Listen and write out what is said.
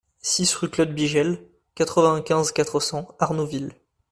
six rue Claude Bigel, quatre-vingt-quinze, quatre cents, Arnouville